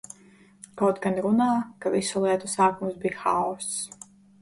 Kaut gan runā, ka visu lietu sākums bija haoss.